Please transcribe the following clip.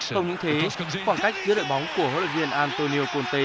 không những thế khoảng cách giữa đội bóng của hỗ lực viên antonio conte